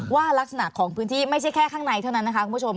ลักษณะของพื้นที่ไม่ใช่แค่ข้างในเท่านั้นนะคะคุณผู้ชม